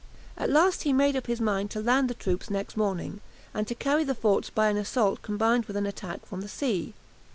At last he made up his mind to land the troops next morning, and try to carry the forts by an assault combined with an attack from the sea.